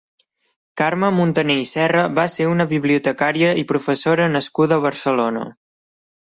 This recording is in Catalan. Carme Montaner i Serra va ser una bibliotecària i professora nascuda a Barcelona.